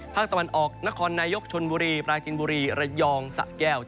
ภาคตะวันออกนครนายกชนบุรีปราจินบุรีระยองสะแก้ว